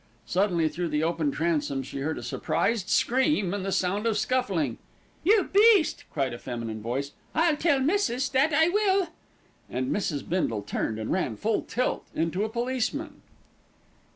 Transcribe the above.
Suddenly through the open transom she heard a surprised scream and the sound of scuffling. "You beast," cried a feminine voice. "I'll tell missis, that I will." And Mrs. Bindle turned and ran full tilt into a policeman.